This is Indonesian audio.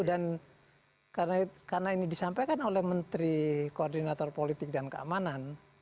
karena ini disampaikan oleh menteri koordinator politik dan keamanan